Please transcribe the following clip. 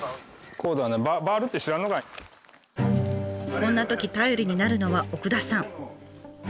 こんなとき頼りになるのは奥田さん。